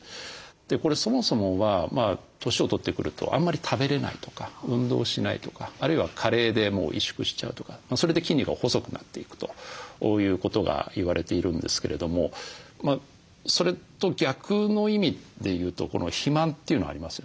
これそもそもは年を取ってくるとあんまり食べれないとか運動しないとかあるいは加齢で萎縮しちゃうとかそれで筋肉が細くなっていくということが言われているんですけれどもそれと逆の意味で言うと肥満というのがありますよね。